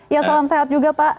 ya salam sehat juga pak